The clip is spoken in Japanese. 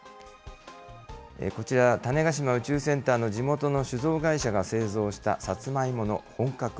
こちら、種子島宇宙センターの地元の酒造会社が製造したサツマイモの本格